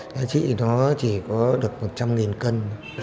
giá trị nó chỉ có được một trăm linh cân